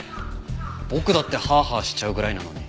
僕だってハアハアしちゃうぐらいなのに。